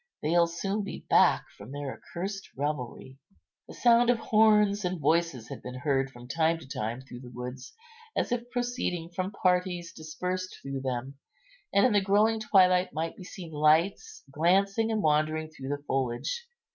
They'll soon be back from their accursed revelry." A sound of horns and voices had been heard from time to time through the woods, as if proceeding from parties dispersed through them; and in the growing twilight might be seen lights, glancing and wandering through the foliage.